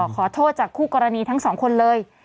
ขอโทษจากคู่กรณีทั้งสองคนเลย